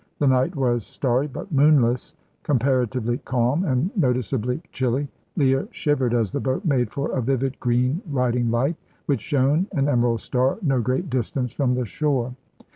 The night was starry but moonless, comparatively calm, and noticeably chilly. Leah shivered as the boat made for a vivid green riding light, which shone, an emerald star, no great distance from the shore.